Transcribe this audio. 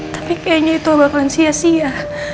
tapi kayaknya itu bakalan sia sia